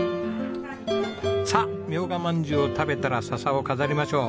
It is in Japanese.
さあみょうが饅頭を食べたら笹を飾りましょう。